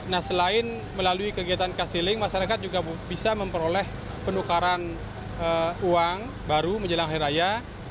nah selain melalui kegiatan kasseling masyarakat juga bisa memperoleh penukaran uang baru menjelang hari raya